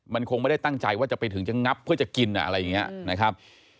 มันคงไม่ได้ตั้งใจว่าจะไปถึงจะงับเพื่อจะกินอะไรอย่างนี้นะครับ